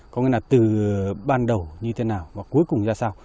có nghĩa là từ ban đầu như thế nào và cuối cùng ra sao